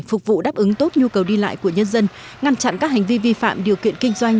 phục vụ đáp ứng tốt nhu cầu đi lại của nhân dân ngăn chặn các hành vi vi phạm điều kiện kinh doanh